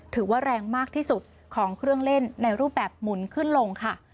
ถือว่าแรงมากที่สุดของเครื่องเล่นในรูปแบบหมุนขึ้นลงค่ะ